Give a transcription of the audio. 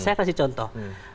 saya kasih contoh